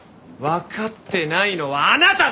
わかってないのはあなただ！